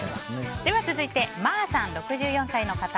続いて、６４歳の方。